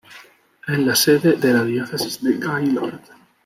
Es la sede de la Diócesis de Gaylord.